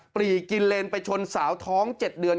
ปลีกินเลนไปชนสาวท้อง๗เดือน